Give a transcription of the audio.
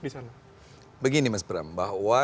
di sana begini mas bram bahwa